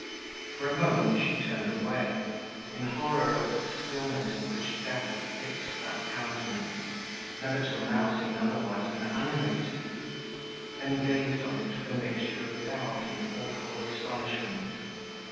For a moment she turned away, in horror of the stillness in which death had fixed that countenance, never till now seen otherwise than animated; then gazed on it with a mixture of doubt and awful astonishment.